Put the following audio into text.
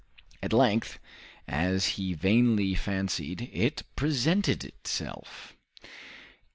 At length, as he vainly fancied, it presented itself.